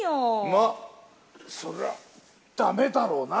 まあ、そりゃだめだろうな。